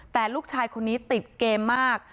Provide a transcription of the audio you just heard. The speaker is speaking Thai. แต่ลูกชายคนนี้ติดเกมมาก